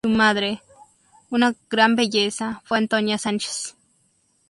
Su madre, una gran belleza, fue Antonia Sánchez.